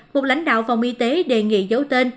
một lãnh đạo phòng y tế đề nghị dấu tên